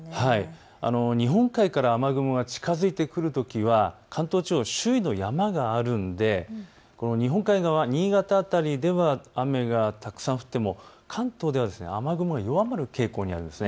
日本海から雨雲が近づいてくるときは関東地方、周囲に山があるので日本海側、新潟辺りでは雨がたくさん降っても関東では雨雲、弱まる傾向にあります。